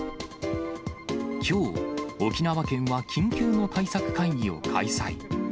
きょう、沖縄県は緊急の対策会議を開催。